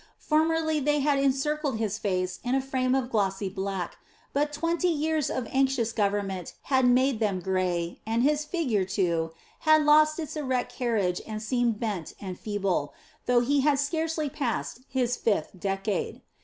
Formerly they had encircled his face in a frame of glossy black, but twenty years of anxious government had made them grey, and his figure, too, had lost its erect carriage and seemed bent and feeble, though he had scarcely passed his fifth decade.